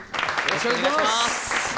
よろしくお願いします。